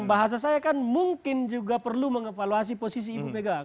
bahasa saya kan mungkin juga perlu mengevaluasi posisi ibu mega